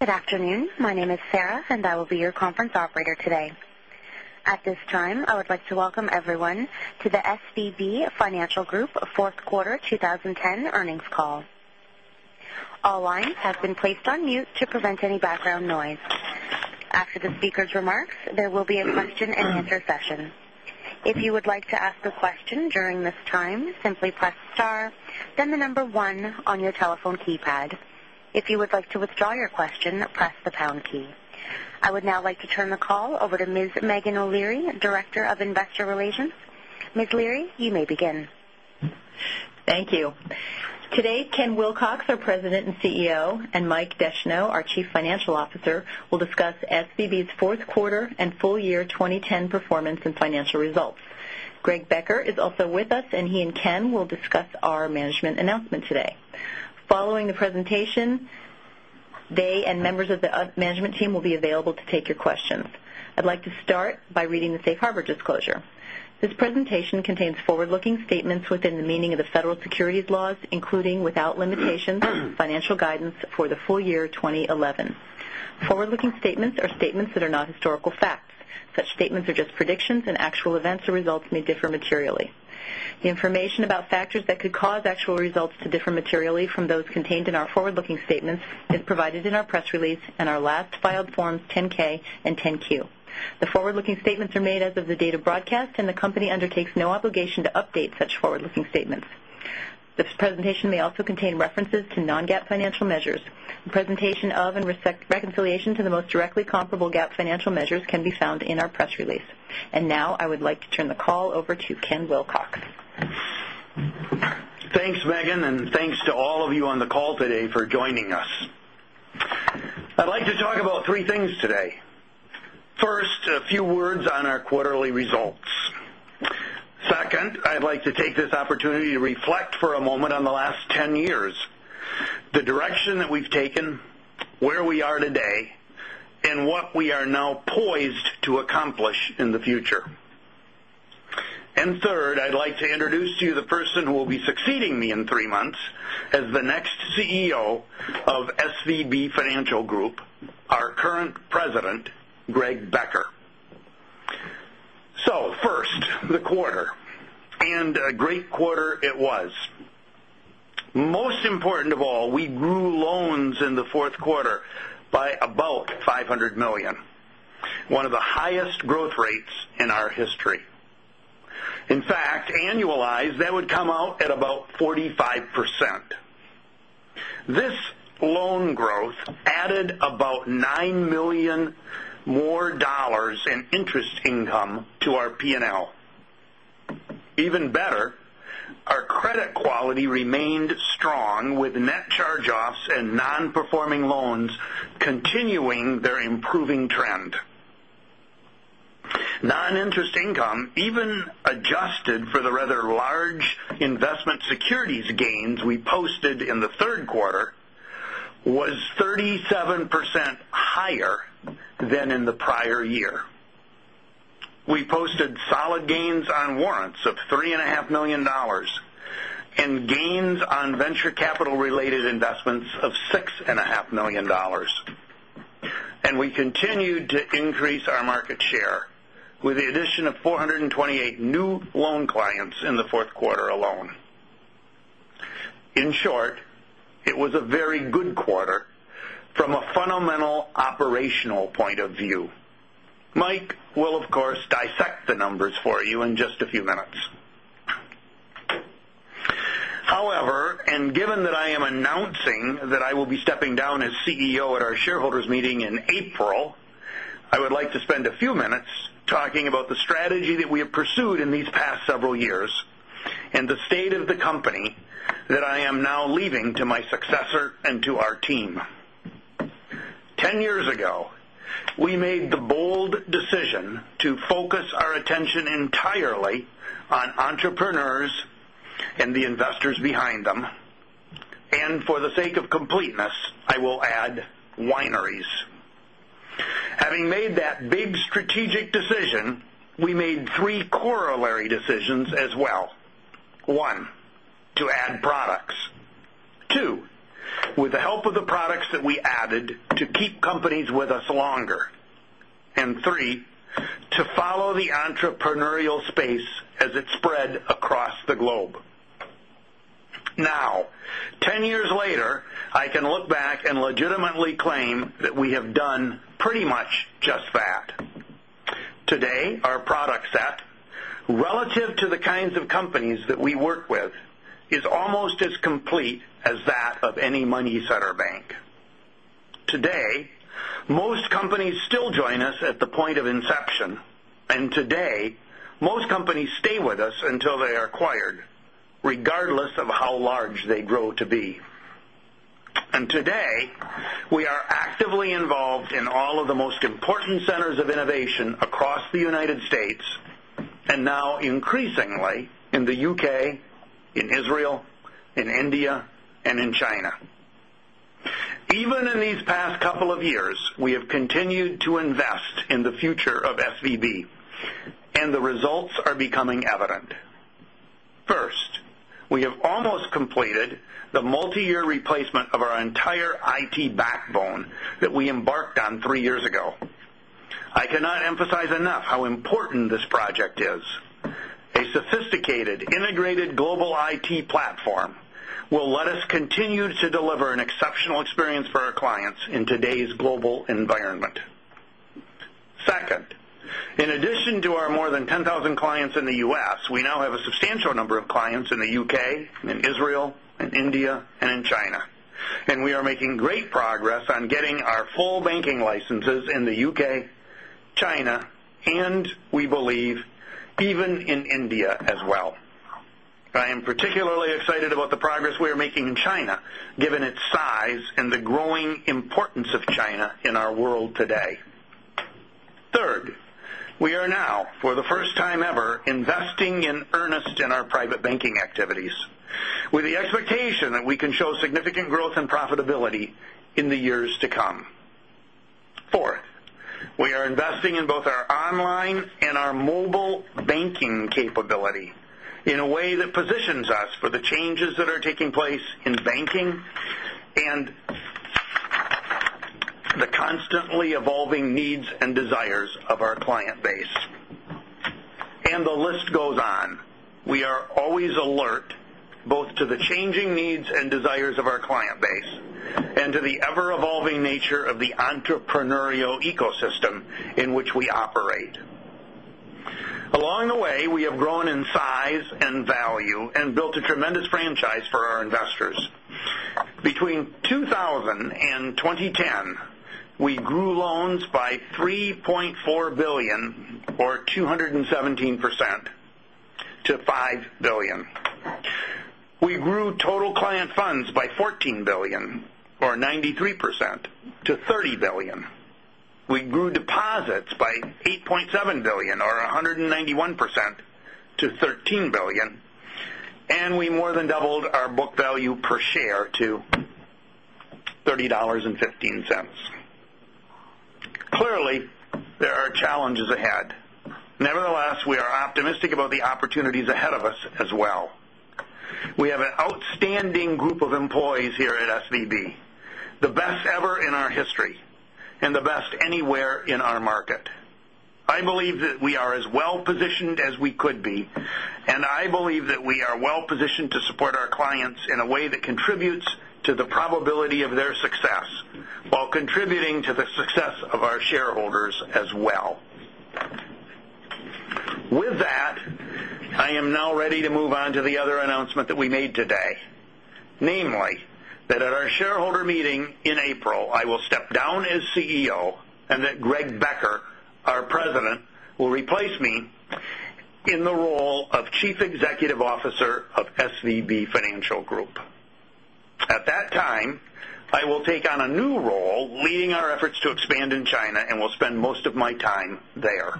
Good afternoon. My name is Sarah and I will be your conference operator today. At this time, I would like to welcome everyone to the SVB Financial Group 4th Quarter 2010 Earnings Call. All lines have been placed on mute to prevent any background noise. After the speakers' remarks, there will be a question and answer session. I would now like to turn the call over to Ms. Megan O'Leary, Director of Investor Relations. Ms. Leary, you may begin. Thank you. Today, Ken Wilcox, our President and CEO and Mike Deschneaux, Chief Financial Officer will discuss SVB's 4th quarter and full year 2010 performance and financial results. Greg Becker is with us and he and Ken will discuss our management announcement today. Following the presentation, they and members of the management team will be available to take your questions. I'd like to start by reading the Safe Harbor disclosure. This presentation contains forward looking statements within the meaning of the federal securities laws, including without limitations, financial guidance for the full year 2011. Forward looking statements are statements that are not historical facts. Such statements are just predictions and actual events or results may differ materially. The information about factors that could cause actual results to differ materially from those contained in our forward looking statements is provided in our press release and our last filed Forms 10 ks and 10 Q. The forward looking statements are made as of the date of broadcast and the company undertakes no obligation to update such forward looking statements. This presentation may also contain references to non GAAP measures. A presentation of and reconciliation to the most directly comparable GAAP financial measures can be found in our press release. And now, I would like to turn the call over to Ken Wilcox. Thanks, Megan, and thanks to all of you on the call today for joining us. I'd like to talk about 3 things today. 1st, a few words on our quarterly results. 2nd, I'd like to take this opportunity to reflect for a moment on the last 10 years, the direction that we've taken, where we are today and what we are now poised to accomplish in the future. And 3rd, I'd like to introduce to you the person who will be succeeding me in 3 months as the next CEO of SVB Financial Group, important of all, we grew loans in the 4th quarter by about $500,000,000 one of the highest growth rates in our history. In fact, annualized that would come out at about 45%. This loan growth added about $9,000,000 more dollars in interest income to our P and L. Even better, our credit quality remained strong with net charge offs and non performing loans continuing their improving trend. Non interest income even adjusted for the rather large investment securities gains we posted in the 3rd quarter was 37% higher than in the prior year. We posted solid gains on warrants of $3,500,000 and gains on venture capital related investments of $6,500,000 And we continued to increase our market share with the addition of 428 new loan clients in the 4th quarter alone. In short, it was a very good a for you in just a few minutes. However, and given that I am announcing that I will be stepping down as CEO at our shareholders meeting in April, I would like to spend a few minutes talking about the strategy that we have pursued in these past several years and the state of the company that I am now leaving to my successor and to our team. 10 years ago, we made the bold decision to focus our attention entirely on entrepreneurs and the investors behind them. And for the sake of completeness, I will add wineries. Having made that big strategic decision, we made 3 corollary decisions as well. 1, to add products 2, with the help of the products that we added to keep companies with us longer and 3, to follow the entrepreneurial space as it spread across the globe. Now 10 years later, I can look back and legitimately claim that we have done pretty much just that. Today, our product set relative to the kinds of companies that we work with is almost as complete as that of any money Today, most companies still join us at the point of inception and today most companies stay with us until they are acquired, most important centers of innovation across the United States and now increasingly in the U. K, in Israel, in India and in China. Even in these past couple of years, we have continued to invest in the future of SVB and the results are sophisticated integrated global IT platform will let us continue to deliver an exceptional experience for our clients in today's global environment. 2nd, in addition to our more than 10,000 clients in the U. S, we now have a substantial number of clients in the U. K, in Israel, in India and in China. And we are making great progress on getting our full banking licenses in the U. K, China and we believe China and we believe even in India as well. I am particularly excited about the progress we are making in China given its size and 3rd, we are now for the first time ever investing in earnest in our private banking activities with the expectation that we can show significant growth and profitability in the years to and desires of our client base and the list goes on. We are always alert both to the changing needs and desires of our client base and to the ever evolving nature of the entrepreneurial ecosystem in which we operate. Along the way, we have grown in size and value and built a tremendous franchise for our investors. Between 2000 and 2010, we grew loans by $3,400,000,000 or 2 17 percent to 5,000,000,000 dollars We grew total client funds by $14,000,000,000 or 93 percent to 30,000,000,000 ahead. Nevertheless, we are optimistic about the opportunities ahead of us as well. We have an outstanding group of employees here at SVB, the best ever in our history and the best anywhere in our market. I believe that we are as well positioned as we could be and I believe that we are well positioned to support our clients in a way that contributes to the probability of their success, while contributing to the success of our shareholders as well. With that, I am now ready to move on to the other announcement that we made today, namely that at our shareholder meeting in April, I will step down as CEO and that Greg Becker, our President, will replace me in the role of Chief Executive Officer of SVB Financial Group. At that time, I will take on a new role leading our efforts to expand in China and will spend most of my time there.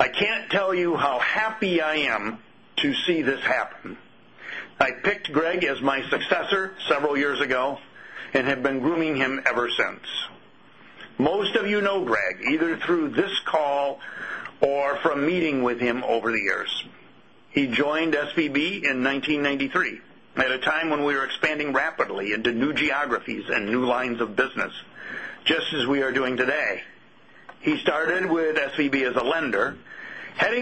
I can't tell you how happy I am to see this happen. I picked Greg as my successor several years ago and have been grooming him ever since. Most of you know Greg either through this call or from meeting with him over the years. He joined SVB in 1993 at a time when we were expanding rapidly into new geographies and new lines of business just as we are doing but growing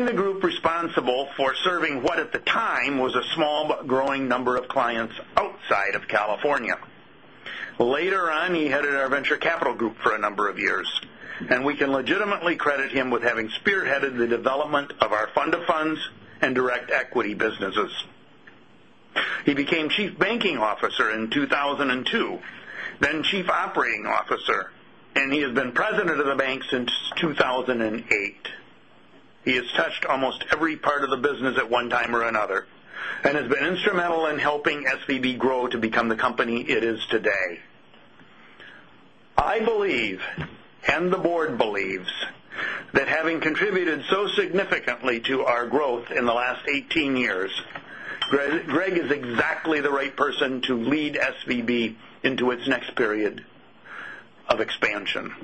but growing number of clients outside of California. Later on, he headed our venture capital group for a number of years and we can legitimately credit him with having spearheaded the development of our fund to funds and direct equity businesses. He became Chief Banking Officer in 2002, then Chief Operating Officer and he has been President of the Bank since 2,008. He has touched almost every part of the business at one time or another and has been instrumental in helping SVB grow to become the company it is today. I believe and the Board believes that having contributed so significantly to our growth in the last 18 years, Greg is exactly the right person to lead SVB into its next period of expansion.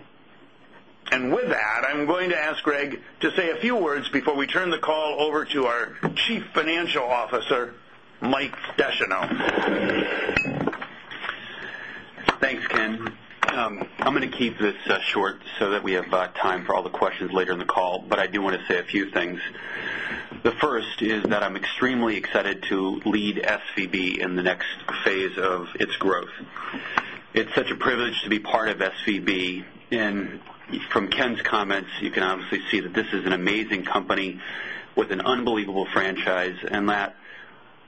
And with that, I'm going to ask Greg to say a few words before we turn the call over to our Chief Financial Officer, Mike Deschano. Thanks, Ken. I'm going to keep this short so that we have time for all the questions later in the call, but I do want to say a few things. The first is that I'm extremely excited to lead SVB in the next phase of its growth. It's such a privilege to be part of SVB. And from Ken's comments, you can obviously see that this is an amazing company with an unbelievable franchise and that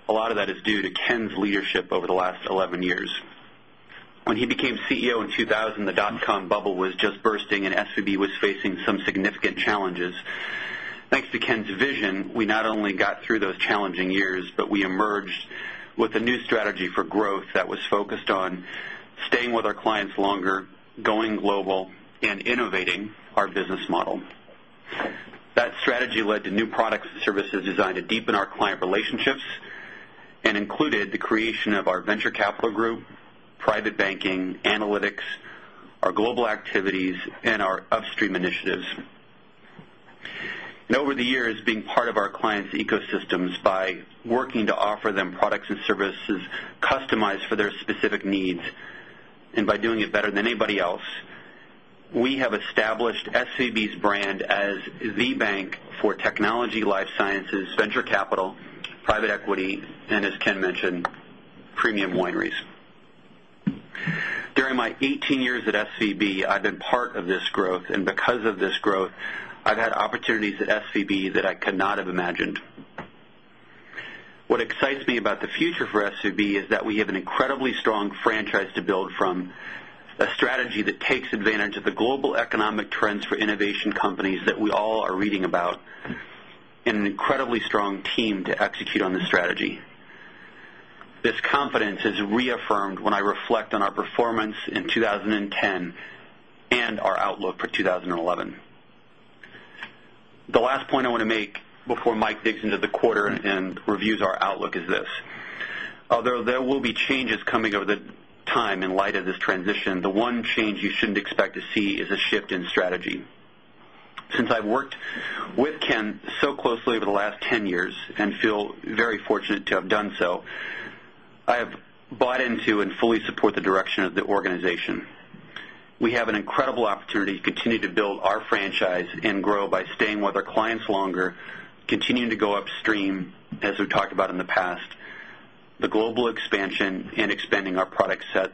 a lot of that is due to Ken's leadership over the last 11 years. When he became CEO in 2000, the dotcom bubble was just bursting and SVB was facing some significant challenges. Thanks to Ken's vision, we not only got through those challenging years, but we emerged with a new strategy for growth that was focused on staying with our clients longer, going global and innovating our business model. That strategy led to new products and services designed to deepen our client relationships and included the creation of our Venture Capital Group, Private Banking, Analytics, our Global Activities and our Upstream And over the years, being part of our clients' ecosystems by working to offer them products and services customized for their specific needs and by doing it better than anybody else. We have established SVB's brand as the bank for Technology Life Sciences, Venture Capital, Private Equity and as Ken mentioned, Premium Wineries. During my 18 years at SVB, I've been part of this growth and because of this growth, I've had opportunities at SVB that I could not have imagined. What excites me about the future for SVB is that we have an incredibly strong franchise to build from, a strategy that takes advantage the global economic trends for innovation companies that we all are reading about, and an incredibly strong team to execute on the strategy. This confidence is reaffirmed when I reflect on our performance in 20 11. The last point I want to make before Mike digs into the quarter and reviews our outlook is this. There will be changes coming over the time in light of this transition. The one change you shouldn't expect to see is a shift in strategy. Since I've worked with Ken so closely over the last 10 years and feel very fortunate to have done so, I have bought into and fully support the direction of the organization. We have an incredible opportunity to continue to build our franchise and grow by staying with our clients longer, continuing to go upstream, as we've talked about in the past, the global expansion and expanding our product set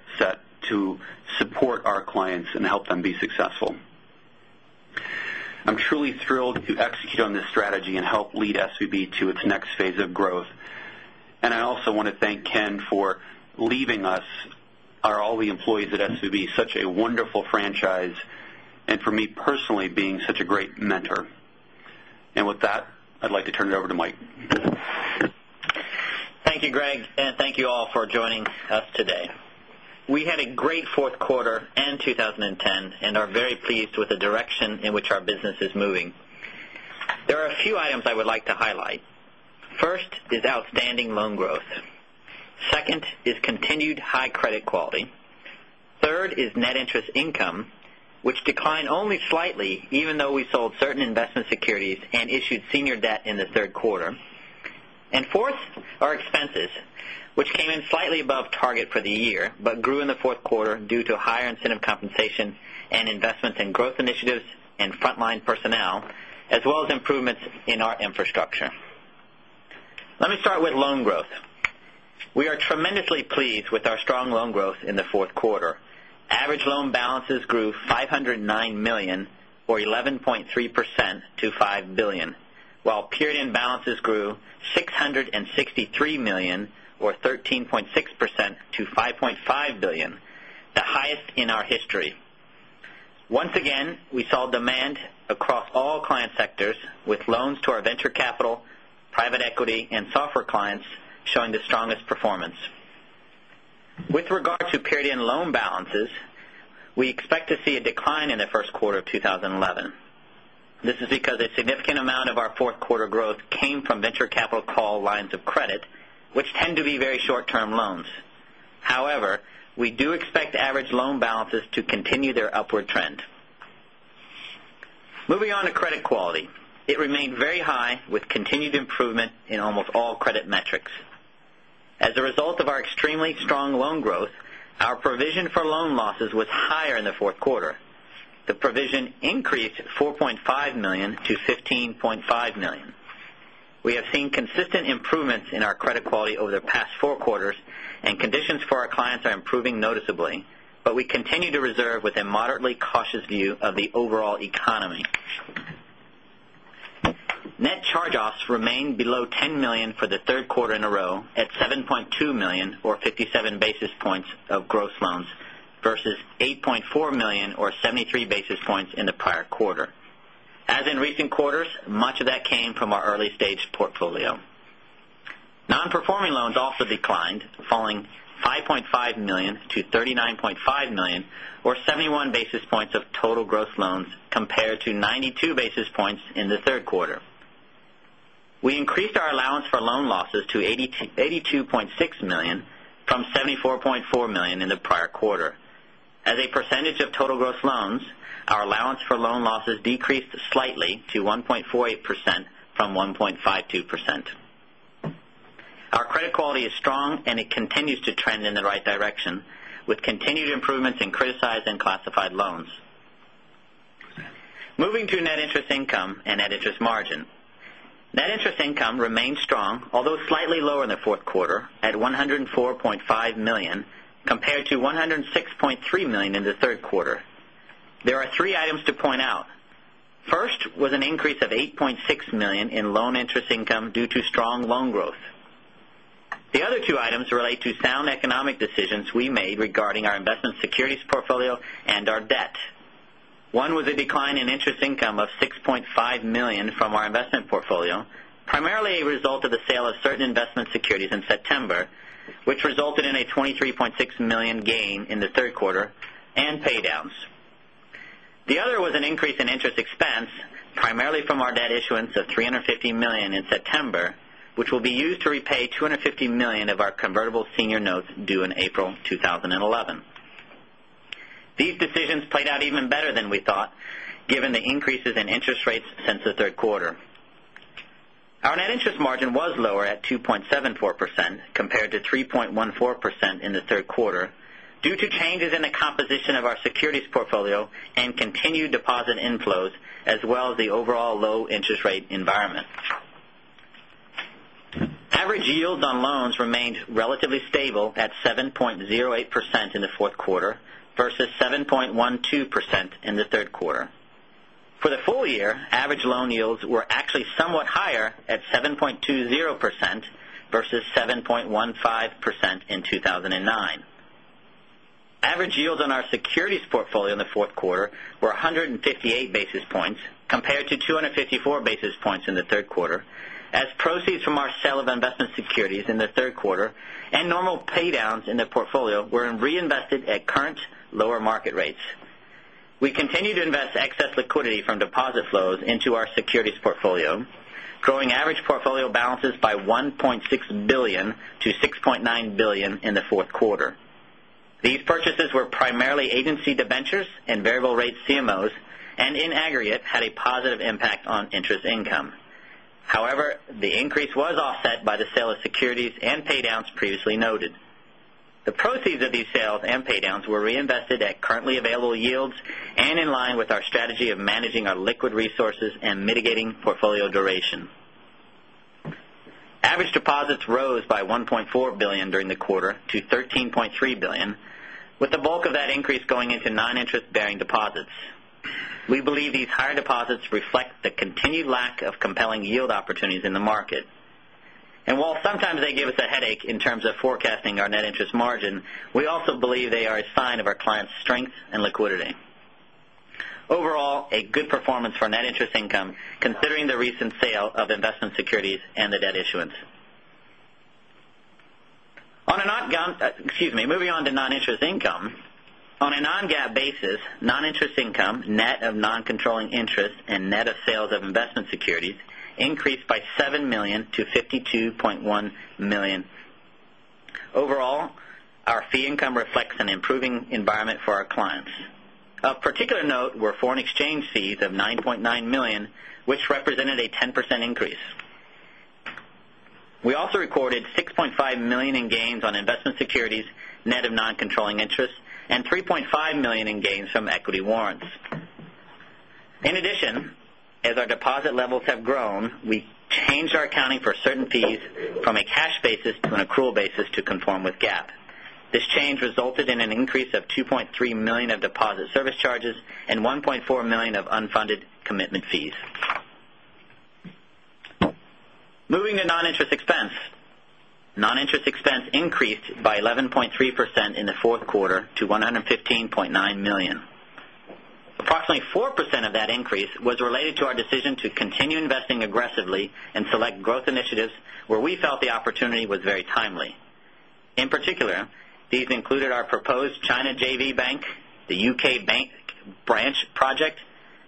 to support our clients and help them be successful. I'm truly thrilled to execute on this on it over to Mike. Thank you, Greg, and thank you all for joining us today. We had a great Q4 2010 and are very pleased with the direction in which our business is moving. There are a few items I would like to highlight. 1st is outstanding loan growth. 2nd is continued high credit quality. 3rd is net interest income, which declined only slightly even though we sold certain investment securities and issued senior debt in the 3rd quarter. And 4th, our expenses, which came in slightly above target for the year, but grew in the 4th quarter due to higher incentive compensation and investments in growth initiatives and front personnel as well as improvements in our infrastructure. Let me start with loan growth. We are tremendously pleased with our strong loan growth in the Q4. Average loan balances grew 509000000 dollars or 11.3 6 percent to $5,500,000,000 the highest in our history. Once again, we saw demand period end loan balances, we expect to see a decline in the Q1 of 2011. This is because a significant amount of our 4th quarter growth came from venture capital call lines of credit, which tend to be very short term loans. However, we do expect average loan balances to continue their upward trend. Moving on to credit quality, it remained very high with continued improvement in almost all credit metrics. As a result of our extremely strong loan growth, our provision for loan losses was higher in the 4th quarter. The provision increased $4,500,000 to $15,500,000 We have seen consistent improvements in our credit quality over the past 4 quarters and conditions for our clients are improving noticeably, but we continue to reserve with a moderately cautious view of the overall economy. Net charge offs remained below $10,000,000 for the 3rd quarter in a row at $7,200,000 or 57 basis points of gross loans versus 8.4 basis points in the prior quarter. As in recent quarters, much of that came from our early stage portfolio. Non performing loans also declined falling $5,500,000 to $39,500,000 or 71 basis points of total gross loans compared to 90 basis points in the 3rd quarter. We increased our allowance for loan losses to 82,600,000 dollars from $74,400,000 in the prior quarter. As a percentage of total gross loans, our allowance for loan losses decreased slightly to 1 point 4 8% from 1.52%. Our credit quality is strong and it continues to trend in the right direction with continued improvements in criticized and classified loans. Moving to net interest income and net interest margin. Net interest income remained strong although slightly lower in the 4th quarter at $104,500,000 compared to $106,300,000 in the 3rd quarter. There are 3 items to point out. First was an increase of $8,600,000 in loan interest income due to strong loan growth. The other two items relate to sound economic decisions we made regarding our investment securities portfolio and our debt. 1 was a decline in interest income of $6,500,000 from our investment portfolio, primarily a result of the sale of certain investment securities in September, which resulted in a $23,600,000 gain in the 3rd quarter and pay downs. The other was an increase in interest expense, primarily from our debt issuance of $350,000,000 in September, 2011. These decisions played out even better than we thought given the increases in interest rates since the 3rd quarter. Our net interest margin was lower at 2 at 2.74% compared to 3.14% in the 3rd quarter due to changes in the composition of our securities portfolio and continued deposit full year, average loan yields were actually somewhat higher at 7.20% versus 7.15 percent in 2,009. Average yields on our securities portfolio in the 4th quarter were 158 basis points compared to 254 basis points in the Q3 as proceeds from our sale of investment securities in the Q3 and normal pay downs in the portfolio were reinvested at current lower market rates. We continue to invest excess liquidity from deposit flows into our securities portfolio, growing average portfolio balances by $1,600,000,000 to $6,900,000,000 in the 4th quarter. These purchases were However, the increase was offset by the sale of securities and paydowns previously noted. The proceeds of these sales and paydowns were reinvested at currently available yields and in line with our strategy of managing our liquid resources and mitigating portfolio duration. Average deposits rose by 1,400,000,000 dollars during the quarter to $13,300,000,000 with the bulk of that increase going into non interest bearing deposits. Headache in terms of forecasting our net interest margin, we also believe they are a sign of our clients' strength and liquidity. Overall, a good performance for net interest income considering the recent sale of investment securities and the debt issuance. Moving on to non On a non GAAP basis, noninterest income net of non controlling interest and net of sales of investment securities increased by 7,000,000 to $52,100,000 Overall, our fee income reflects an improving environment for our clients. Of particular note were foreign exchange fees of $9,900,000 which represented a 10% increase. We also recorded $6,500,000 in gains on investment securities net of non controlling interest and $3,500,000 in gains from equity warrants. In addition, as our deposit levels have grown, we changed our accounting for certain fees from a cash basis to an accrual basis to conform with GAAP. This change resulted in an increase of $2,300,000 of deposit service charges and 1,400,000 dollars of unfunded commitment fees. Moving to non interest expense. Interest expense increased by 11.3% in the 4th quarter to $115,900,000 Approximately 4% of that increase was related to our decision to continue investing aggressively in select growth initiatives where we felt the opportunity was very timely. In particular, these included our proposed China JV Bank, the U. K. Bank branch project,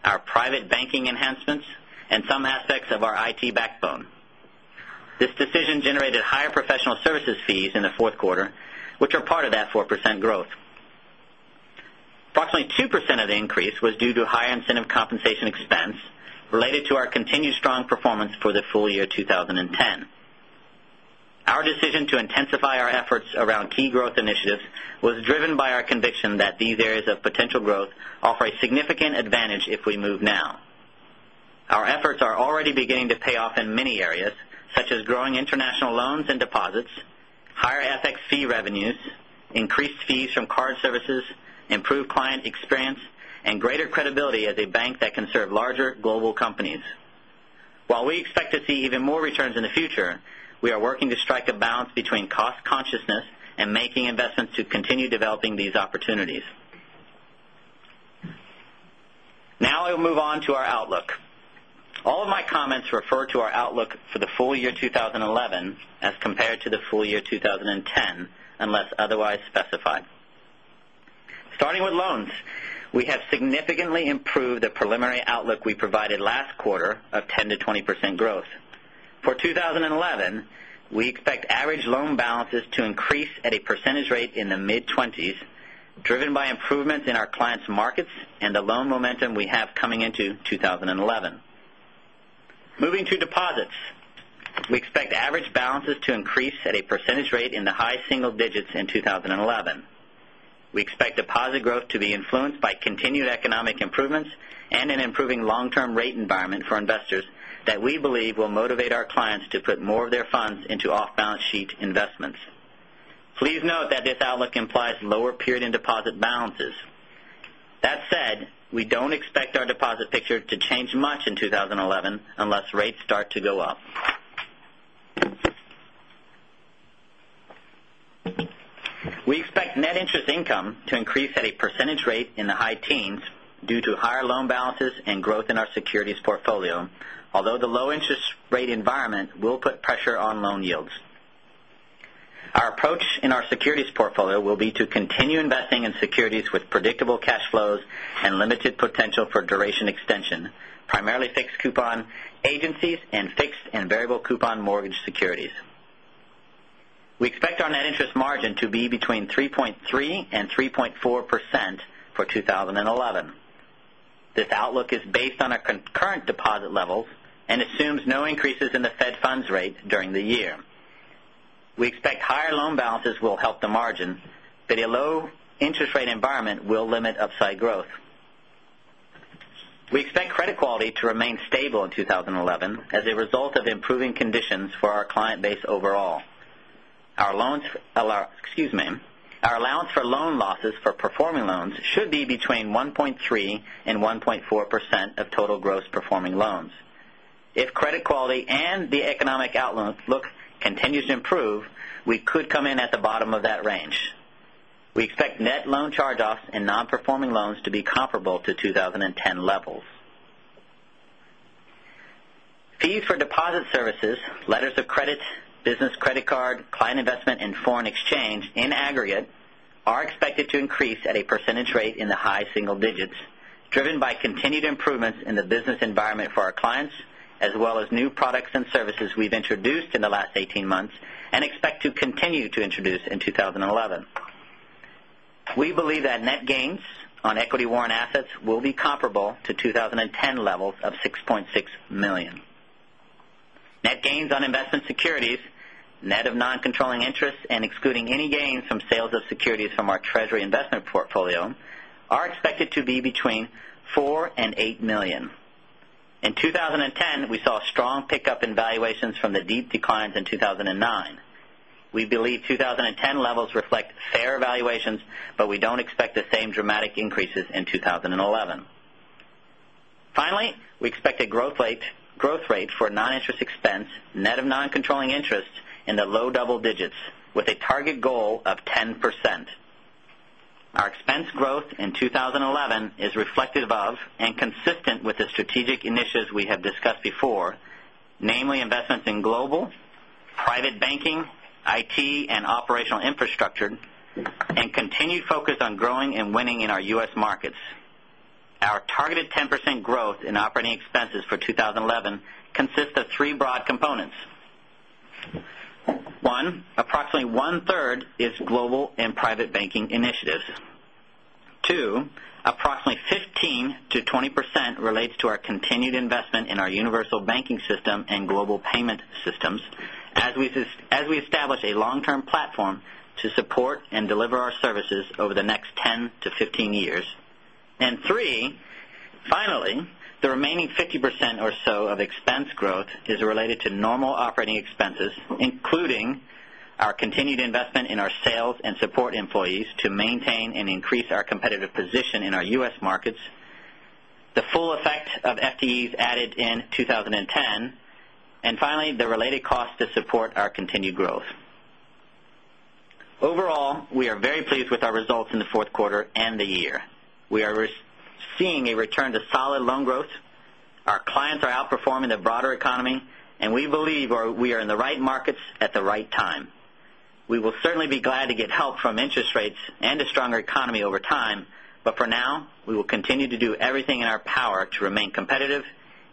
our private banking enhancements and some aspects of our IT backbone. This decision generated higher professional services fees in the 4th quarter, which are part of that 4% growth. 2% of the increase was due to higher incentive compensation expense related to our continued strong performance for the full year 20 10. Our decision to intensify our efforts around key growth initiatives was driven by our conviction that these areas of potential growth offer a significant advantage if we move now. Our efforts are already beginning to pay off in many areas such as growing international loans and deposits, FX fee revenues, increased fees from card services, improved client experience and greater credibility as a bank that can serve larger global companies. While we expect to see even more returns in the future, we are working to strike a balance between cost consciousness and making investments to continue developing these opportunities. For the full year 2011 as compared to the full year 2010 unless otherwise specified. Starting with loans, we have significantly improved the preliminary outlook we provided last quarter of 10% to 20% growth. For 2011, we expect average loan balances to increase at a percentage rate in the mid-20s driven by improvements in our clients' markets and the loan momentum we have coming into 2011. Moving to deposits. We expect average balances to increase at a percentage rate in the high single digits in 2011. We expect deposit growth to be influenced by continued economic improvements and an improving long term rate environment for investors that we believe will motivate our clients to put more of their funds into off balance sheet investments. Please note that this outlook implies lower period end deposit balances. That said, we don't expect our deposit picture to change much in We expect net interest income to increase at a percentage rate in the high teens due to higher loan balances and growth in our securities portfolio, although the low interest rate environment will put pressure on loan yields. Our approach in our securities portfolio will be to continue investing in securities with predictable cash flows and limited potential for duration extension, primarily fixed coupon agencies and fixed and variable coupon mortgage securities. We expect our net interest margin to be between 3.3% and 3.4% for 2011. This outlook is based on our concurrent deposit levels and assumes no increases in the Fed funds rate during the year. We expect higher loan balances will help the margin, but a low interest rate environment will limit growth. We expect credit quality to remain stable in 2011 as a result of improving conditions for our client base overall. Our allowance for loan losses for performing loans should be between 1.3% total gross performing loans. If credit quality and the economic outlook continues to improve, we could come in at the bottom of that range. We expect net loan charge offs in non performing loans to be comparable to 20.10 levels. Fees for deposit services, letters of credit, business credit card, client investment and foreign exchange in aggregate are expected to increase at a percentage rate in the high single digits, driven by continued improvements in the business environment for our clients as well as new products and services we've introduced in the last 18 months and expect to continue to introduce in 2011. We believe that net gains on equity warrant assets will be comparable to 20.10 levels of $6,600,000 Net gains on investment securities, net of non controlling interest and excluding any gains from sales of securities from our treasury investment portfolio are expected to be between $4,000,000 $8,000,000 In 2010, we saw a strong pickup in valuations from the deep declines in 2,009. We believe 20 10 levels reflect fair valuations, but we don't expect the same dramatic increases in 2011. Finally, we expect a growth rate for non interest expense net of non controlling and consistent with the strategic initiatives we have discussed before, namely investments in global, private banking, IT and expenses for 2011 consists of 3 broad components. 1, approximately 1 third is global and private banking 10 operating expenses, including our continued investment in our sales and support employees to maintain and increase our competitive position in our U. S. Markets, the full effect of FTEs added in 2010 and finally, the related cost to support our continued growth. Overall, we are very pleased with our results in the Q4 the year. We are seeing a return to solid loan growth. Our clients are outperforming the broader economy and we believe we are in the right markets at the right time. We will certainly glad to get help from interest rates and a stronger economy over time, but for now we will continue to do everything in our competitive,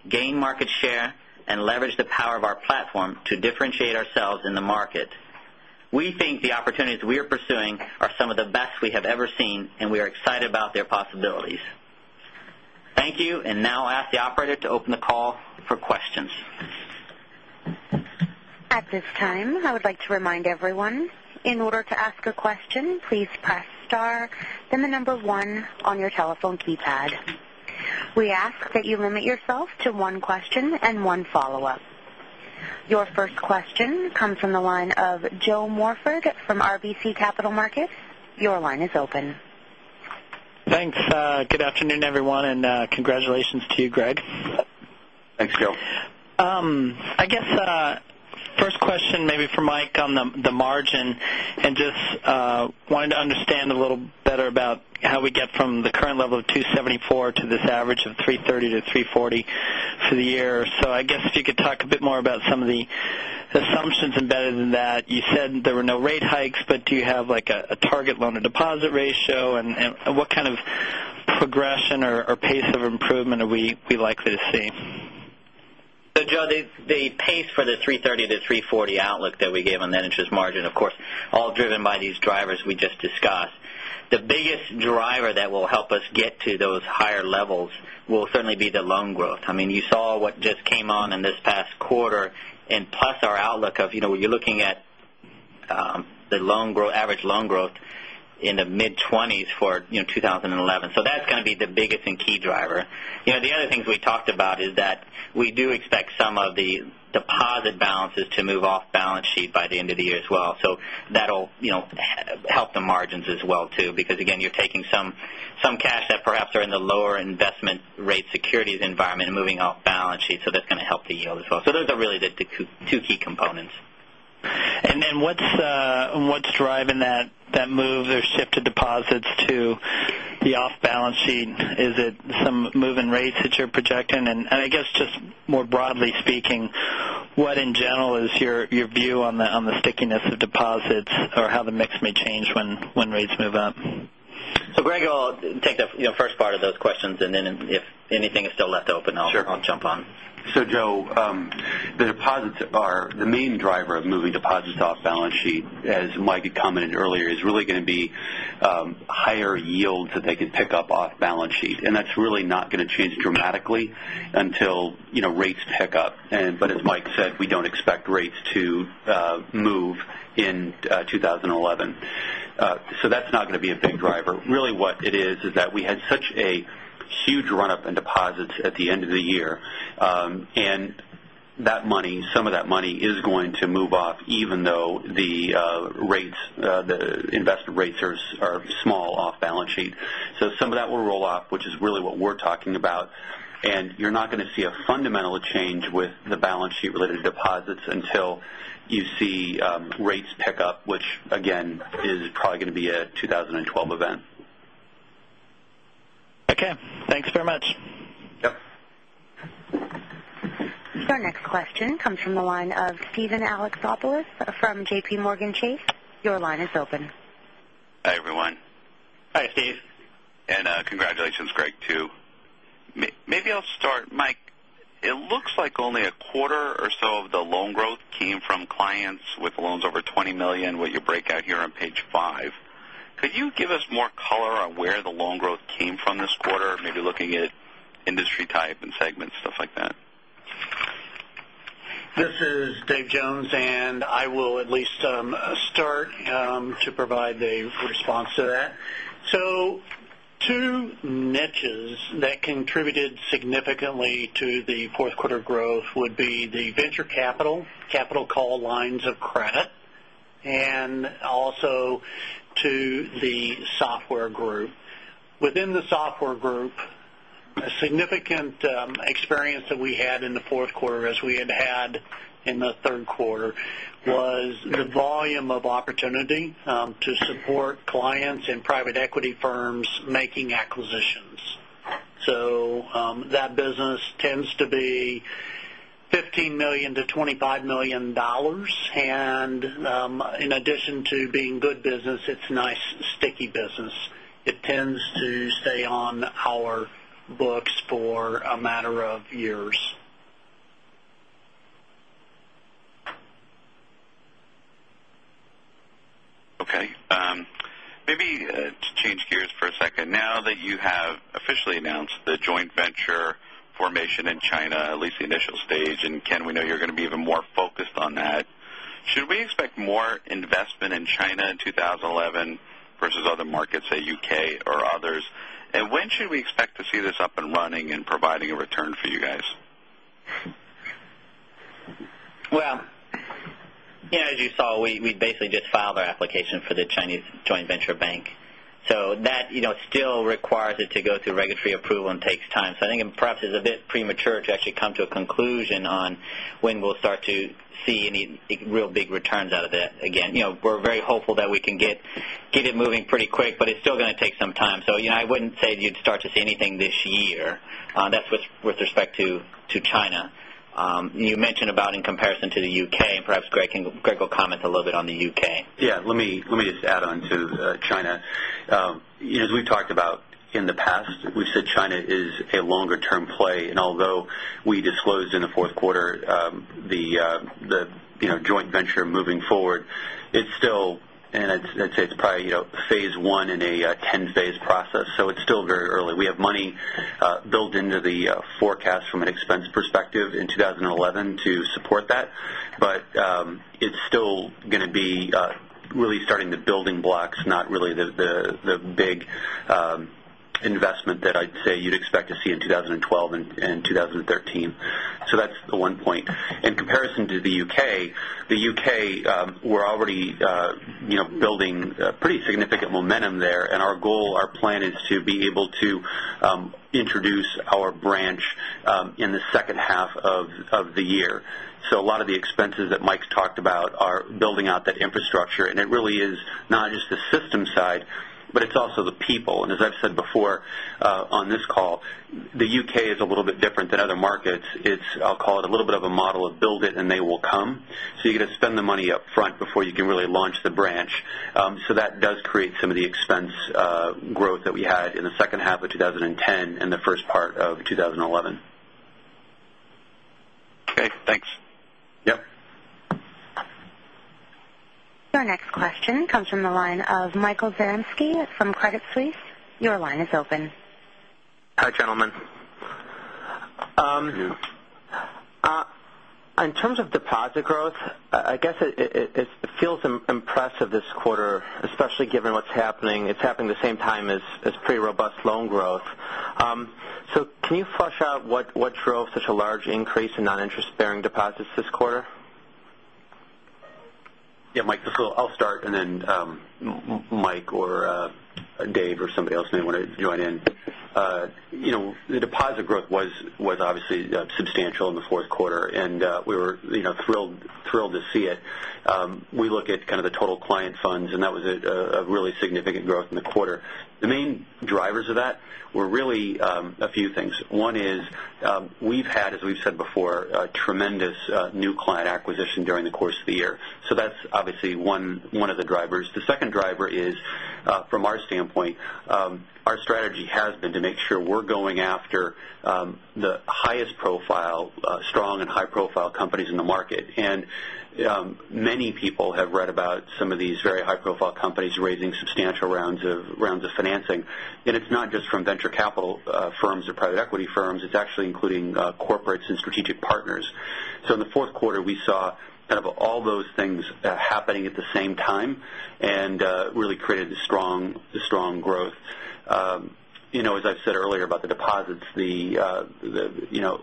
gain market share and leverage the power of our platform to differentiate ourselves in the market. We think the opportunities we are some of the best we have ever seen and we are excited about their possibilities. Thank you. And now I'll ask the operator to open the call for questions. Your I guess, first question maybe for Mike on the margin and just wanted to understand a little better about how we get from the current level of 2.74 to this average of 3.30 to 3.40 for the year. So I guess if you could talk a bit more about some of the assumptions embedded in that. You said there were no rate hikes, but do you have like a target loan to deposit ratio? And what kind of progression or pace of improvement are we likely to see? So, Joe, the pace for the $330,000,000 to $340,000,000 outlook that we gave on net interest margin, of course, all driven by these drivers we just discussed. The biggest driver that will help us get to those higher levels will certainly be the loan growth. I mean, you saw what just came on in this past quarter and plus our outlook of you're looking at the loan growth average loan growth in the mid-20s for 2011. So that's going to be the biggest and key driver. The other things we talked about is that we do expect some of the deposit balances to move off balance sheet by the end of the year as well. So that will help the margins as well too because again you're taking some cash that perhaps are in the lower investment rate securities environment and moving off balance sheet. So that's going to help the yield as well. So those are really the 2 key components. And then what's driving that move, the shift to deposits to the off balance sheet? Is it some move in rates that you're projecting? And I guess just more broadly speaking, what in general is your view on the stickiness of deposits or how the mix may change when rates move up? So Greg, I'll take the first part of those questions and then if anything is still left open, I'll jump on. Sure. So Joe, the deposits are the main driver of moving deposits off balance sheet, as Mike had commented earlier, is really going to be higher yields that they can pick up off balance sheet. And that's really not going to change dramatically until rates pick up. But as Mike said, we don't expect rates to move in 2011. So that's not going to be a big driver. Really what it is, is that we had such a huge run up in deposits at the end of the year. And that money, some of that money is going to move off even though the rates, the investment rates are small off balance sheet. So some of that will roll off, which is really what we're talking about and you're not going to see a fundamental change with the balance sheet related to deposits until you see rates pick up, which again is probably going to be a 2012 event. Okay. Thanks very much. Your next question comes from the line of Steven Alexopoulos from JPMorgan Chase. Your line is open. Hi, everyone. Hi, Steve. And congratulations, Greg, too. Maybe I'll start, Mike. It looks like only a quarter or so of the loan growth came from clients with loans over $20,000,000 with your breakout here on Page 5. Could you give us more color on where the loan growth came from this quarter maybe looking at industry type and segments stuff like that? This is Dave Jones and I will at least start to provide the response to that. So 2 niches that contributed significantly to the 4th quarter growth would be the venture capital, capital call lines of credit and also to the software group. Within the software group, a a significant experience that we had in the Q4 as we had had in the Q3 was the volume of opportunity tends to be $15,000,000 to $25,000,000 And in addition to being good business, it's nice sticky business. It tends to stay on our books for a matter of years. Okay. Maybe to change gears for a second, now that you have officially announced the joint venture formation in China at least the initial stage and Ken we know you're going to be even more focused on that. Should we expect more investment in China in 2011 versus other markets, say, U. K. Or others? And when should we expect to see this up and running and providing a return for you guys? Well, as you saw, we basically just filed Chinese joint venture bank. So that still requires it to go through regulatory approval and takes time. So I think perhaps it's a bit premature to actually come to a conclusion on when we'll start to see any real big returns out of that. Again, we're very hopeful that we can get it moving pretty quick, but it's still going to take some time. So I wouldn't say you'd start to see anything this year. With respect to China. You mentioned about in comparison to the U. K. And perhaps Greg will comment a little bit on the U. K. Yes. Let me just add on China. As we've talked about in the past, we've said China is a longer term play. And although we disclosed in the Q4 the joint venture moving forward, it's still and I'd say it's probably Phase 1 in a 10 phase process. So it's still very early. We have money built into the forecast from an expense perspective in 2011 to support that. But it's still going to be really starting the building blocks, not really the big investment that I'd say you'd expect to see in 20122013. So that's the one point. In comparison to the U. K, the U. K, we're already building pretty significant momentum there and our goal, our plan is to be able to introduce our branch in the second half of the year. So a lot of the expenses that Mike has talked about are building out that infrastructure. It really is not just the system side, but it's also the people. And as I've said before on this call, the UK is a little bit different than other markets. It's, I'll call it, a little bit of a model of build it and they will come. So you're going to spend the money upfront before you can really launch the branch. So that does create some of the expense growth that we had in the second half of twenty ten and the first part of twenty 11. Okay, thanks. Yes. Your next question comes from the line of Michael Zaremski from Credit Suisse. Your line is open. In terms of deposit growth, I guess it feels impressive this quarter, especially given what's happening. It's happening the same time as pretty robust loan growth. So can you flush out what drove such a large increase in non interest bearing deposits this quarter? Yes, Mike, I'll start and then Mike or Dave or somebody else may want to join in. The deposit growth was obviously substantial in the Q4 and we were thrilled to see it. We look at kind of the total client funds and that was a really significant growth in the quarter. The main drivers of that were really a few things. One is we've had, as we've said before, tremendous new client acquisition during the course of the year. So that's obviously one of the drivers. The second driver is, from our standpoint, our strategy has been to make sure we're going after the highest profile strong and high profile companies in the market. And many people have read about some of these very high profile companies raising substantial rounds of financing. And it's not just from venture capital firms or private equity firms, it's actually including corporates and strategic partners. So in the Q4, we saw kind of all those things happening at the same time and really created the strong growth. As I said earlier about the deposits, the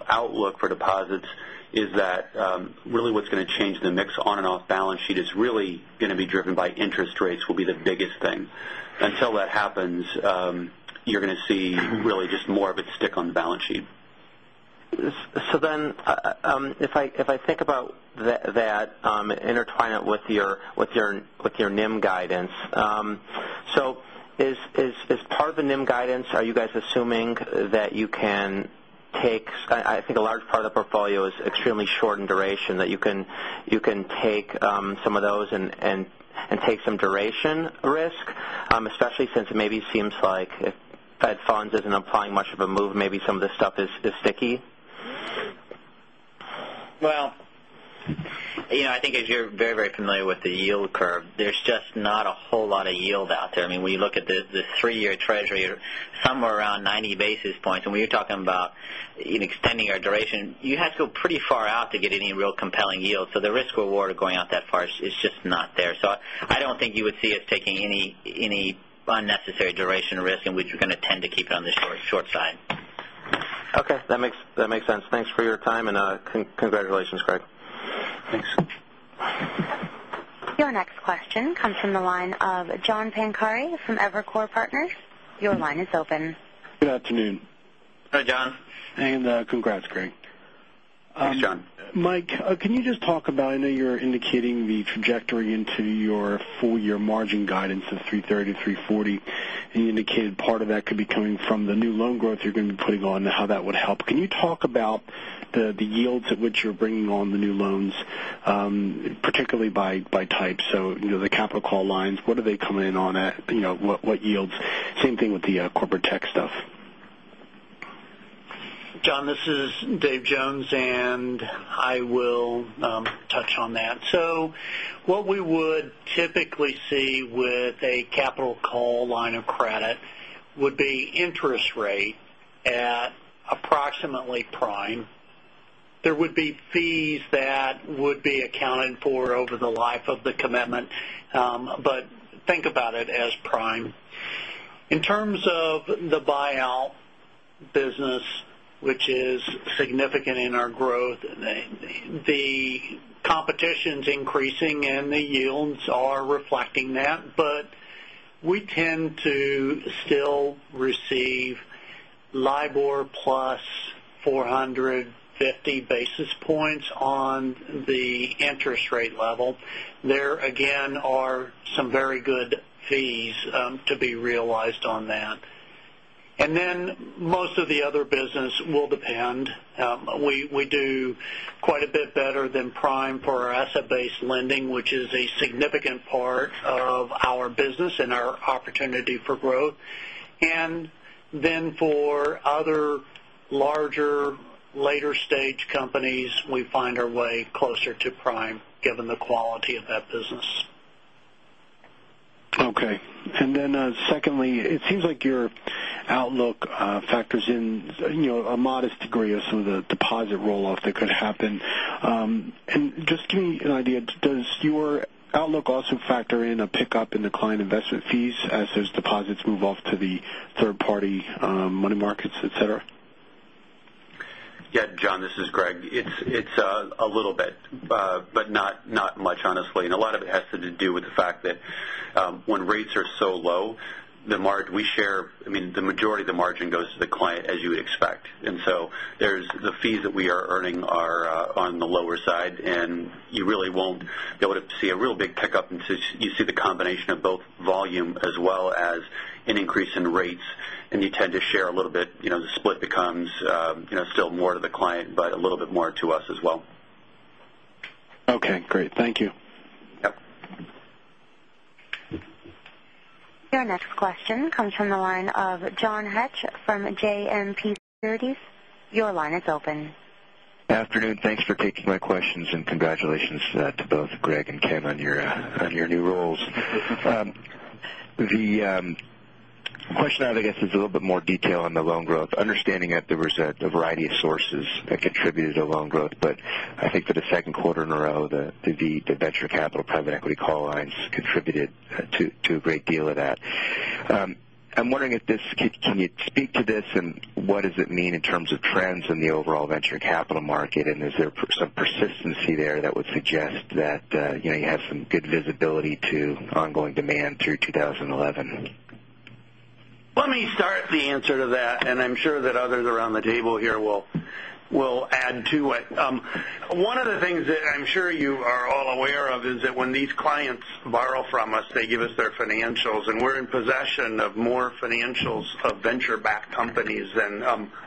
outlook deposits is that really what's going to change the mix on and off balance sheet is really going to be driven by interest rates will be the biggest thing. And intertwine it with your NIM guidance, that intertwine it with your NIM guidance, so is part of the NIM guidance, are you guys assuming that you can take I think a large part of the portfolio is extremely short in duration that you can take some of those and take some duration risk, especially since it maybe seems like Fed funds isn't applying much of a move, maybe some of the stuff is sticky? Well, I think as you're very, very familiar with the yield curve, there's just not a whole lot of yield out there. I mean, when you look at the 3 year treasury, you're somewhere around 90 basis points and we are talking about extending our duration, you have to go pretty far out to get any real compelling yield. So the risk reward going out that far is just not there. So I don't think you would see us taking any unnecessary duration risk in which we're going to tend to keep it on the short side. Okay. That makes sense. Thanks for your time and congratulations, Craig. Thanks. Your next question comes from the line of John Pancari from Evercore Partners. Your line is open. Good afternoon. Hi, John. And congrats, Greg. Thanks, John. Mike, can you just talk about I know you're indicating the trajectory into your full year margin guidance of $330,000,000 to $340,000,000 and you indicated part of that could be coming from the new loan growth you're going to putting on, how that would help. Can you talk about the yields at which you're bringing on the new loans, particularly by type? So the capital call lines, what are they coming in on at, what yields? Same thing with the corporate tech stuff. John, this is Dave Jones and I will touch on that. So what we would typically see with a capital call line of credit would be interest rate at approximately prime. There would be fees that would be accounted for over the life of the commitment, but think about it as prime. In terms of the buyout business, which is significant in our growth, the competition is increasing and the yields are reflecting that, but we tend to still receive LIBOR plus 4 50 basis points on the interest rate level. There again are some very good fees to be realized on that. And then most of the other business will depend. We do quite a bit better than prime for our asset based lending, which is a significant part of our business and our opportunity for growth. And then for other larger later stage companies, we find our way closer to prime given the quality of that business. Okay. Degree of some of the deposit roll off that could happen. And do you degree of some of the deposit roll off that could happen. And just give me an idea, does your outlook also factor in a pick up in the client investment fees as those deposits move off to the 3rd party money markets, etcetera? Yes. John, this is Greg. It's a little bit, but not much honestly. And a lot of it has to do with the fact that when rates are so low, the majority of the margin goes to the client as you would expect. And so there's the fees that we are earning are on the lower side and you really won't they would see a real big pickup and you see the combination of both volume as well as an increase in rates and you tend to share a little bit, the split becomes still more to the client, but a little bit more to us as well. Okay, great. Thank you. Your next question comes from the line of John Hecht from JMP Securities. Your line is open. Good afternoon. Thanks for taking my questions and congratulations to both Greg and Kim on your new roles. The question I guess is a little bit more detail on the loan growth, understanding that there was a variety of sources that contributed to loan growth, but I think for the Q2 in a row, the venture capital private equity call lines contributed to a great deal of that. I'm wondering if this can you speak to this and what does it mean in terms of trends in the overall venture capital market? And is there some persistency there that would suggest that you have some good visibility to ongoing demand through 2011? Let me start the answer to that and I'm sure that others around the table here will add to it. One of the things that I'm sure you are all aware of is that when these clients borrow from us, they give us their financials and we're in possession of more financials of venture backed companies and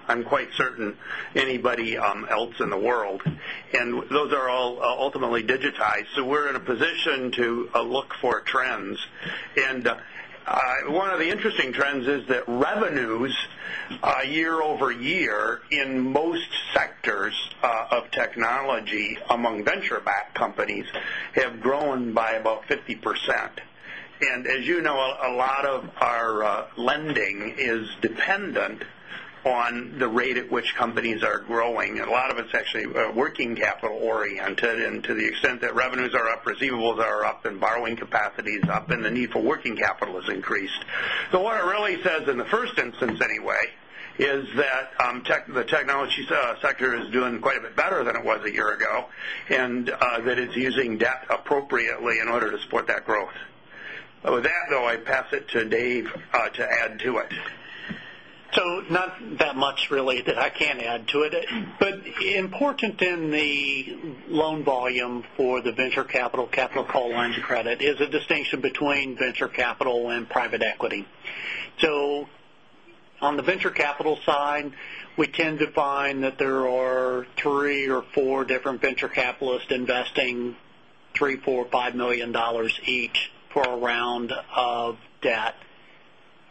I'm quite certain anybody else in the world. And those are all ultimately digitized. So we're in a position to look for trends. And one of the interesting trends is that revenues year over year in most sectors of technology among venture backed companies have grown by about 50%. And as you know, a lot of our lending is dependent on the rate at which companies are growing. A lot of it's actually working capital oriented and to the extent that are up, receivables are up and borrowing capacity is up and the need for working capital has increased. So what it really says in the first instance anyway is that the technology sector is doing quite a bit better than it was a year ago and that it's using debt appropriately in order to support that growth. With that though, I pass it to Dave to add to it. So not that much really that I can add to But important in the loan volume for the venture capital, capital call lines credit is a distinction between venture capital and private equity. So on the venture capital side, we tend to find that there are 3 or 4 different venture capitalists investing $3,000,000 $4,000,000 $5,000,000 each for a round of debt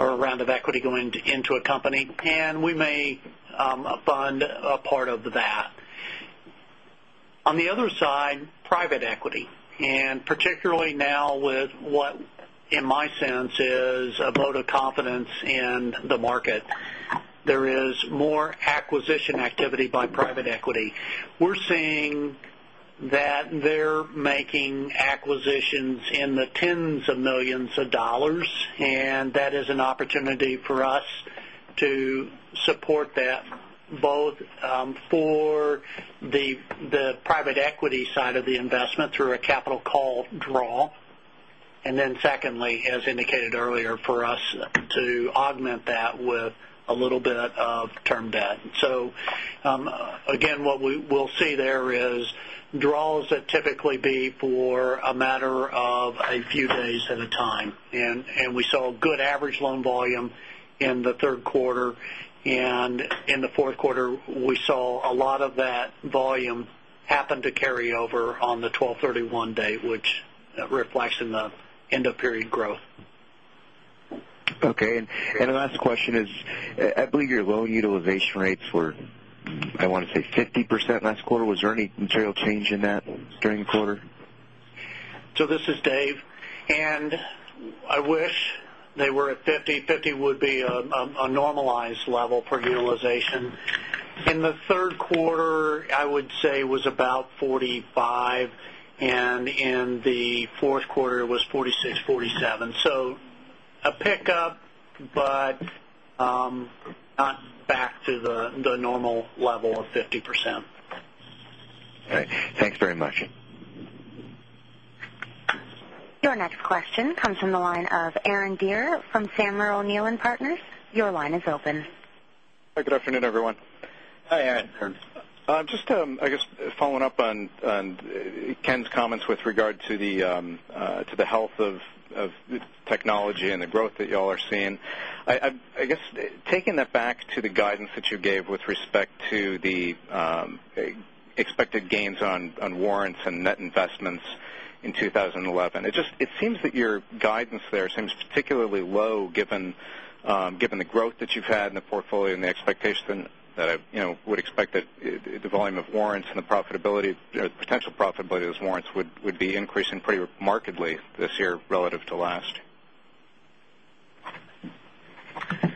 or a round of equity going into a company and we may fund a part of that. On the other side, private equity and particularly now with what in my sense is a vote of confidence in the market. There is more acquisition activity by private equity. We're seeing that they're making acquisitions in the tens of 1,000,000 of dollars and that is an opportunity for us to support that both for the private equity side of the investment through a capital call draw. And then secondly, as indicated earlier for us to augment that with a little bit of term debt. So again, what we'll see there is draws that typically be for a matter of a few days at a time. And we saw good average loan volume in the Q3. And in the Q4, we saw a lot of that volume happened to carry over on the twelvethirty one day, which reflects in the end of period growth. And the last question is, I believe your loan utilization rates were, I want to say 50% last quarter. Was there any material change in that during the quarter? So this is Dave. And I wish they were at 50%, 50% would be a normalized level for utilization. In the 3rd quarter, I would say was about 40 5% and in the Q4 it was 46%, 47%. So a pickup, but not back to the normal level of 50%. All right. Thanks very much. Your next question comes from the line of Aaron Deer from Sandler O'Neill and Partners. Your line is open. Hi, good afternoon, everyone. Hi, Aaron. Just, I guess following up on Ken's comments with regard to the health of technology and the growth that you all are seeing. I guess taking that back to the guidance that you gave with respect to the expected gains on warrants and net investments in 2011. It just it seems that your guidance there seems particularly low given the growth that you've had in the portfolio and the expectation that I would expect that the volume of profitability potential profitability of those warrants would be increasing pretty markedly this year relative to last?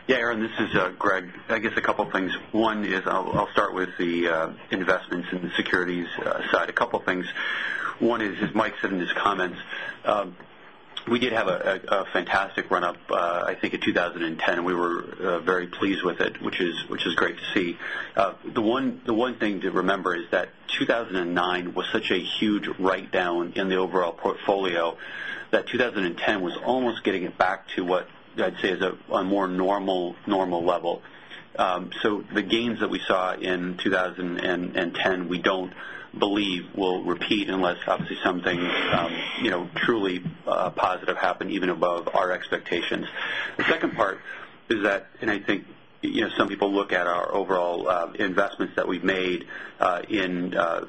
Yes, Aaron, this is Greg. I guess a couple of things. One is I'll start with the investments in the securities side, a couple of things. One is, as Mike said in his we did have a fantastic run up, I think, in 2010. We were very pleased with it, which is great to see. The one thing to remember is that 2,009 was such a huge write down in the portfolio that 2010 was almost getting it back to what I'd say is a more normal level. So the gains that we saw in 2010, we don't believe will repeat unless obviously something truly positive happen even above our expectations. The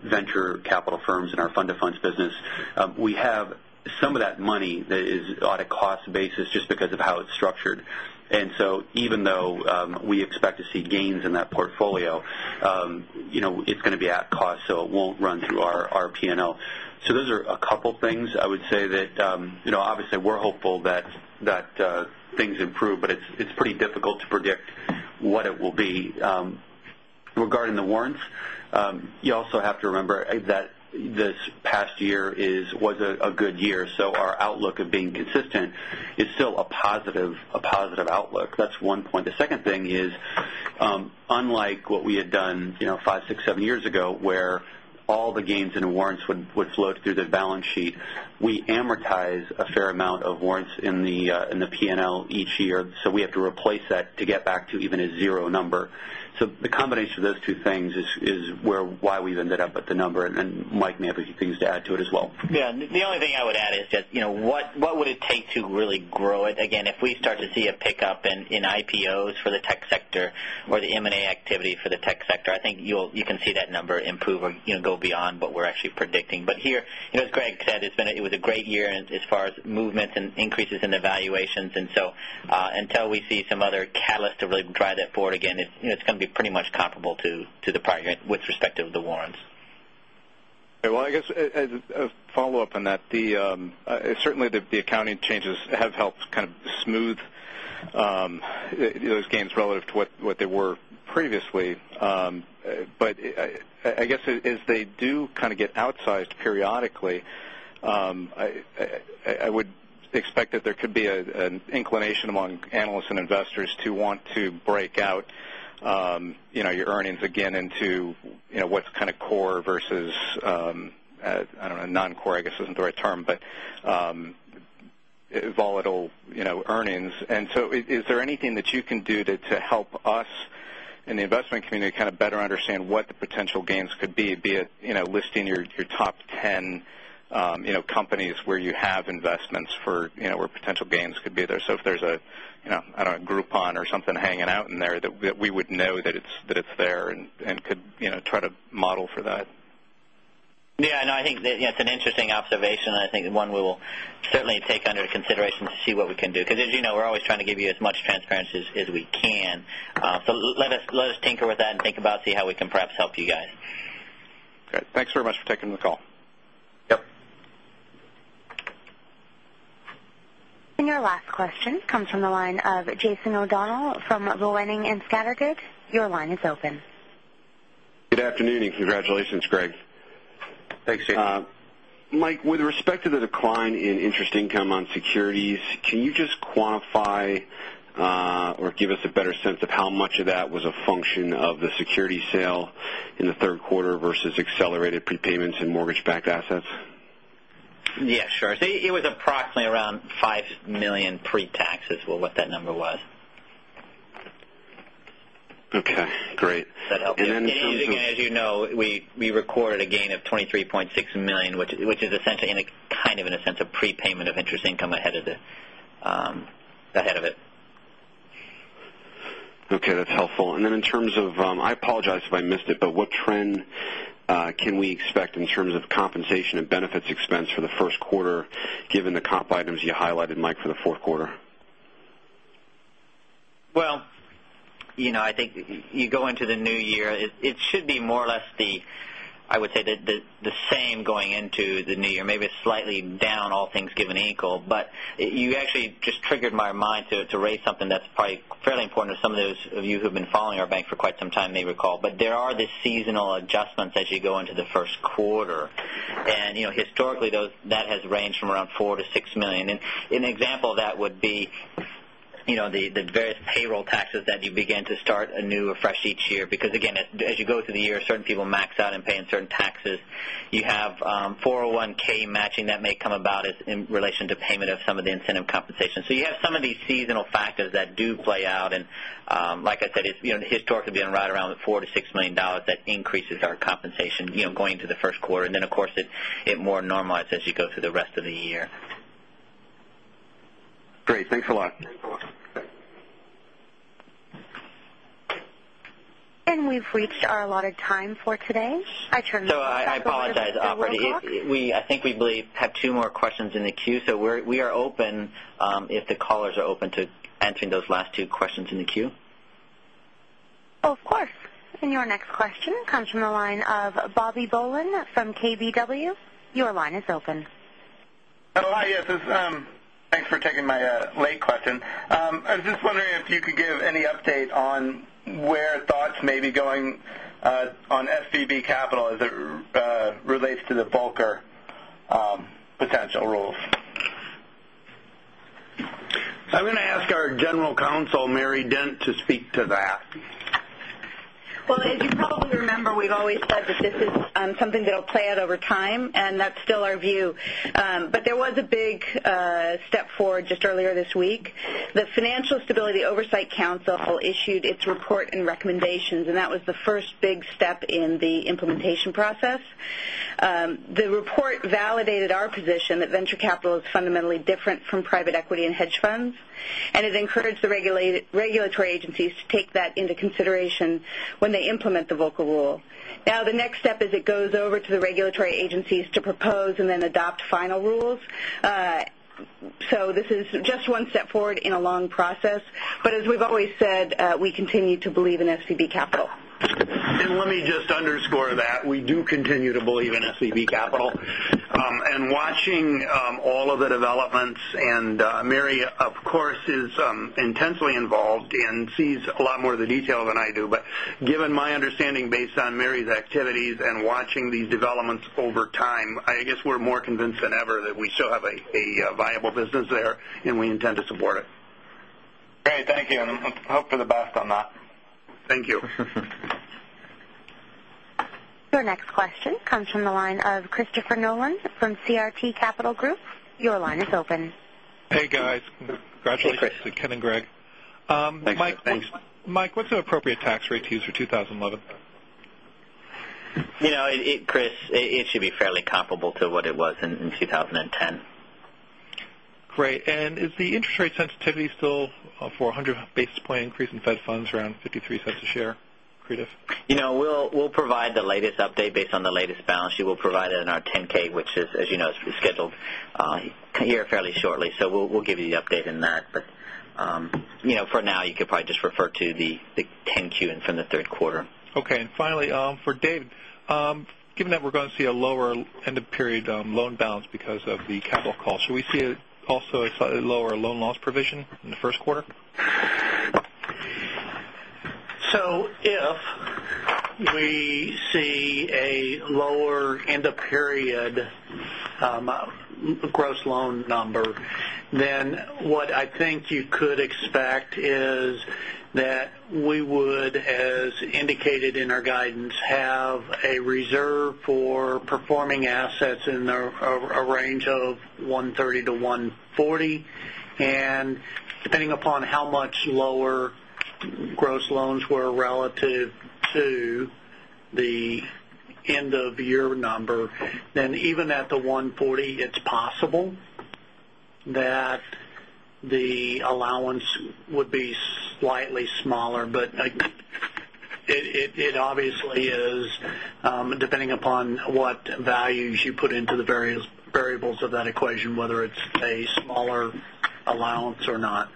venture capital firms in our fund to funds business. We have some of venture capital firms in our fund to funds business. We have some of that money that is on a cost basis just because of how it's structured. And so even though we expect to see gains in that portfolio, it's going to be at cost, so it won't run through our P and L. So those are a couple of things I would say that obviously we're hopeful that things improve, but it's pretty difficult to predict what it will be. Regarding the warrants, you also have to remember that this past year was a good year. So our outlook of being consistent is still a positive outlook. That's one point. The second thing is, unlike what we had done 5, 6, 7 years ago, where all the gains and warrants would flow through the balance sheet. We amortize a fair amount of warrants in the P and L each year. So we have to replace that to get back to even a 0 number. So the combination of those two things is where why we've ended up at the number and Mike may have a few things to add to it as well. Yes. The only thing I would add is just what would it take to really grow it? Again, if we start to see a pickup in IPOs for the tech sector or the M and A activity for the tech sector, I think you can see that number improve or go beyond what we're actually predicting. But here, as Greg said, it's been a it was a great year and as far as movements and increases in the valuations. And so until we see some other catalysts to really drive that forward again, it's going to be pretty much comparable to the prior year with respect to the warrants. Well, I guess as a follow-up on that, certainly the accounting changes have helped kind of smooth those gains relative to what they were previously. But I guess as they do kind of get outsized periodically, I would expect that there could be an inclination among analysts and investors to want to break out your earnings again into what's kind of core versus, I don't know, non core, I guess isn't the right term, but volatile earnings. And so is there anything that you can do to help us in the investment community kind of better understand what the potential gains could be, be it listing your top 10 companies where you have investments for where potential gains could be there. So if there's a Groupon or something hanging out in there that we would know that it's there and could try to model for that? Yes. I think it's an interesting observation. I think one we will certainly take under consideration to see what we can do. Because as you know, we're always trying to give you as much transparency as we can. So let us tinker that and think about see how we can perhaps help you guys. Okay. Thanks very much for taking the call. Yes. And your last question comes from the line of Jason O'Donnell from Boenning and Scattergood. Your line is open. Good afternoon and congratulations, Greg. Thanks, James. Mike, with respect to the decline in interest income on securities, can you just quantify or give us a better sense of how much of that was a function of the security sale in the Q3 versus accelerated payments in mortgage backed assets? Yes, sure. So it was approximately around $5,000,000 pretax as well what number was. Okay, great. And then as you know, we recorded a gain of 23 point $6,000,000 which is essentially in a kind of in a sense of prepayment of interest income ahead of it. Okay, that's helpful. And then in terms of I apologize if I missed it, but what trend can we expect in terms of compensation and benefits expense for the Q1 given the comp items you highlighted, Mike, for the Q4? Well, I think you go into the New Year, it should be more or less the I would say the same going into the New Year, maybe slightly down all things given ankle. But you actually just triggered my mind to raise something that's probably fairly important to some of those of you who've been following our bank for quite some time may recall. But there are the seasonal adjustments as you go into the Q1. And historically, that has ranged from around 4,000,000 to 6,000,000 dollars And an example of that would be the various payroll taxes that you began to start a new refresh each year because again, as you go through the year, certain people max out and pay in certain taxes. You have 401 matching that may come about in relation to payment of some of the incentive compensation. So you have some of these seasonal factors that do play out And like I said, it's historically been right around the $4,000,000 to $6,000,000 that increases our compensation going to the Q1. And then of course it more normalize as you go through the rest of the year. Great. Thanks a lot. And we've reached our allotted time for today. I turn the call over to the operator. I think we believe have 2 more questions in the queue. So we are open, if the callers are open to answering those last two questions in the queue. Of course. And your next question comes from the line of Bobby Bolen from KBW. Your line is open. Hi, yes. Thanks for taking my late question. I was just wondering if you could give any update on where thoughts may be going on SVB Capital as it relates to the bulk potential rules? I'm going to ask our General Counsel, Mary Dent to speak to that. Well, as you probably remember, we've always said that this is something that will play out over time and that's still our view. But there was a big step forward just earlier this week. The Financial Stability Oversight Council issued its report and recommendations and that was the first big step in the implementation process. The report validated our position that venture capital the report validated our position that venture capital is fundamentally different from private equity and hedge funds and it encouraged the regulatory agencies to take that into consideration when they implement the Volcker rule. Now the next step is it goes over to the regulatory agencies to propose and then adopt final rules. So this is just one step forward in a long process. But as we've always said, we continue to believe in SCB Capital. And let me just underscore that. We do continue to believe in SCB Capital. And Mary, of course, is intensely involved and sees a lot more of the detail than I do. But given my understanding based on Mary's activities and watching these developments over time, I guess we're more convinced than ever that we still have a viable business there and we intend to support it. Great. Thank you. And hope for the best on that. Thank you. Your next question comes from line of Christopher Nolan from CRT Capital Group. Your line is open. Hey, guys. Congratulations to Ken and Greg. Thanks Mike. Mike, what's an appropriate tax rate to use for 2011? Chris, it should be fairly comparable to what it was in 2010. Great. And is the interest rate sensitivity still a 400 basis point increase in Fed funds around $0.53 a share accretive? We'll provide the latest update based on the latest balance sheet. We'll provide it in our 10 ks, which is as you know is scheduled here fairly shortly. So we'll give you the update in that. But for now, you could probably just refer to the 10 Q and from the Q3. Okay. And finally, for David, given that we're going to see a lower end of period loan balance because of the capital call, should we see also a slightly lower loan loss provision in the Q1? So if we see a lower end of period gross loan number, then what I think you could expect is that we would as indicated in our guidance have a reserve for for performing assets in a range of $130,000,000 to $140,000,000 And depending upon how much lower gross loans were relative to the end of year number then even at the $140,000,000 it's possible that the allowance would be slightly smaller. But it obviously is depending upon what values you put into the variables of that equation whether it's a smaller allowance or not.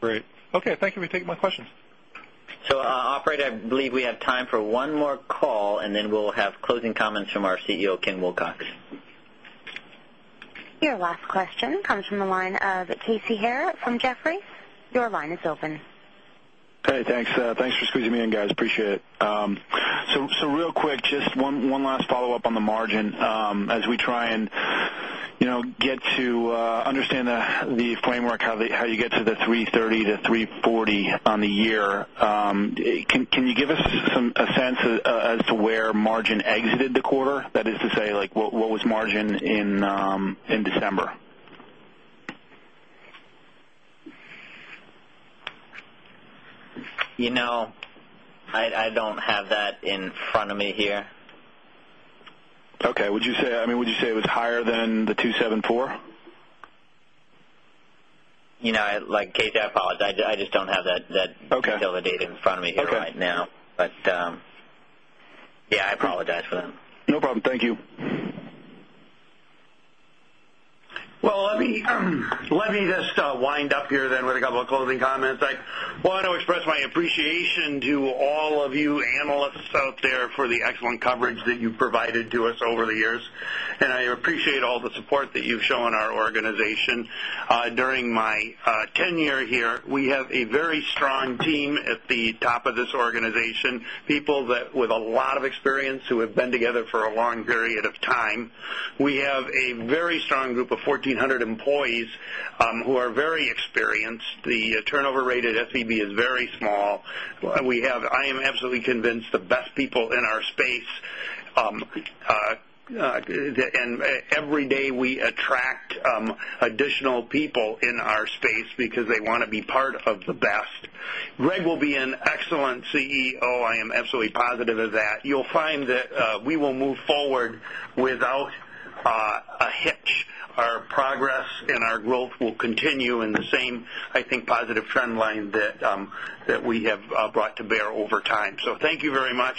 Great. Okay. Thank you for taking my questions. So operator, I believe we have time for one more call and then we'll have closing comments from our CEO, Ken Wilcox. Your last question comes from the line of Casey Haire from Jefferies. Your line is open. Hey, thanks. Thanks for squeezing me in guys. Appreciate it. So real quick, just one last follow-up on the margin. As we try and get to understand the framework, how you get to the 330 to 340 on the year, can you give us some sense as to where margin exited the quarter? That is to say like what was margin in December? I don't have that front of me here. Okay. Would you say I mean, would you say it was higher than the 2.74? Like, Keith, I apologize. I just don't have that fill the data in front of me here right now. But yes, I apologize for them. No problem. Thank you. Well, let me just wind up here then with a couple of closing comments. I want to express my appreciation to all of you analysts out there for the excellent coverage that you provided to us over the years. And I appreciate all the support that you've shown people that with a lot of experience who have been together for a long period of time. We have a very strong group of 1400 employees, who are very experienced. The turnover rate at SVB is very small. We have I am absolutely convinced the best people in our space And every day we attract additional people in our space because they want to be part of the best. Greg will be an excellent CEO. I am absolutely positive of that. You'll find that we will move forward without a hitch. Our progress and our growth will continue in the same, I think, positive trend line that we have brought to bear over time. So thank you very much.